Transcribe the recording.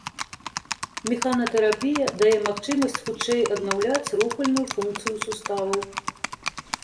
Механатэрапія дае магчымасць хутчэй аднаўляць рухальную функцыю суставаў.